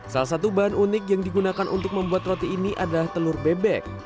salah satu bahan unik yang digunakan untuk membuat roti ini adalah telur bebek